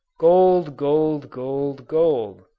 "Gold! Gold! Gold! Gold!